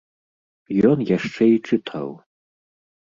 Ён яшчэ і чытаў.